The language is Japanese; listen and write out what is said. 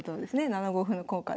７五歩の効果で。